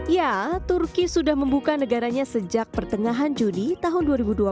ya turki sudah membuka negaranya sejak pertengahan juni tahun dua ribu dua puluh